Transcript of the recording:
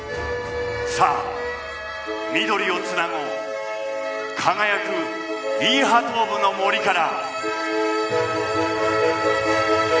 さあ「緑をつなごう輝くイーハトーブの森から」。